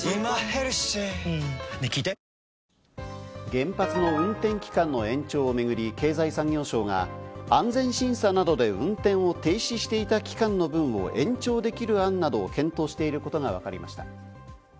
原発の運転期間の延長をめぐり、経済産業省が安全審査などで運転を停止していた期間の分を延長できる案などを検討していることがわかりました。